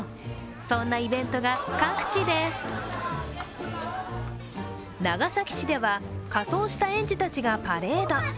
そんなイベントが各地で長崎市では仮装した園児たちがパレード。